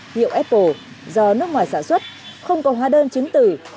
hiệu apple do nước ngoài sản xuất không có hóa đơn chứng tử